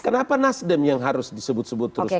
kenapa nasdem yang harus disebut sebut terus